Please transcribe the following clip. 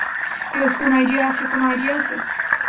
Tales, কোন idea আছে?